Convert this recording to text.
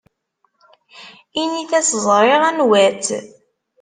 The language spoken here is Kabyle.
Init-as ẓriɣ anwa-tt.